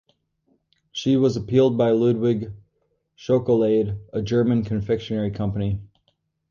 This was appealed by Ludwig Schokolade, a German confectionery company.